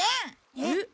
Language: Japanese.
えっ？